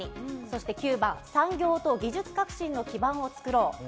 そして９番、産業と技術革新の基盤をつくろう。